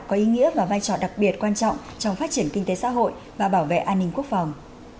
có ý nghĩa và vai trò đặc biệt quan trọng trong phát triển kinh tế xã hội và bảo vệ an ninh quốc phòng